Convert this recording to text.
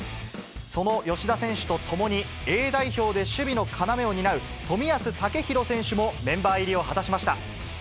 その吉田選手と共に、Ａ代表で守備の要を担う冨安健洋選手もメンバー入りを果たしました。